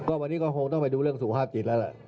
ก็วันนี้ก็คงต้องไปดูเรื่องสุขภาพจิตแล้วล่ะ